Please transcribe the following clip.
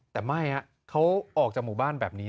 แต่ไม่เขาออกจากหมู่บ้านแบบนี้